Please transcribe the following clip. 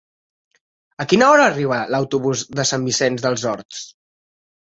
A quina hora arriba l'autobús de Sant Vicenç dels Horts?